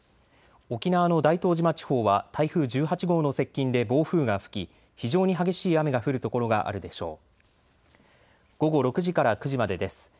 沖縄の大東島地方は台風１８号の接近で暴風が吹き、非常に激しい雨が降る所があるでしょう。